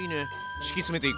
敷き詰めていく！